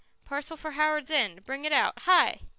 Parcel for Howards End. Bring it out. Hi!"